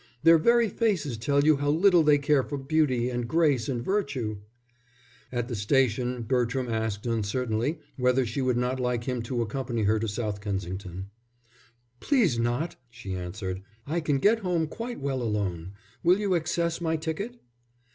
Their very faces tell you how little they care for beauty, and grace, and virtue." At the station Bertram asked uncertainly whether she would not like him to accompany her to South Kensington. "Please not!" she answered. "I can get home quite well alone. Will you excess my ticket?"